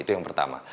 itu yang pertama